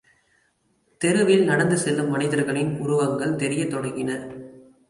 தெருவில் நடந்து செல்லும் மனிதர்களின் உருவங்கள் தெரியத் தொடங்கின.